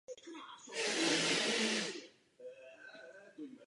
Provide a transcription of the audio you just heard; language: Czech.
Státní znak změněn nebyl.